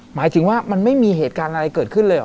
หมายถึงว่ามันไม่มีเหตุการณ์อะไรเกิดขึ้นเลยเหรอ